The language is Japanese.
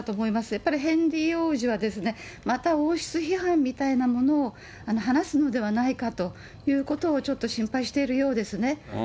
やっぱりヘンリー王子はですね、また王室批判みたいなものを話すのではないかということを、ちょっと心配しているようですね。